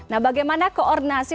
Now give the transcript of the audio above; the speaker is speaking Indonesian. nah bagaimana koordinasi